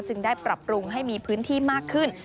ได้ปรับปรุงให้มีพื้นที่มากขึ้น